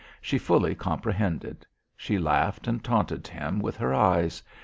She fully comprehended; she laughed and taunted him with her eyes.